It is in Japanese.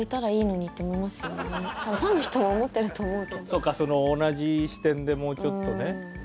そうかその同じ視点でもうちょっとね。